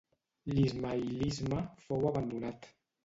L'ismaïlisme fou abandonat.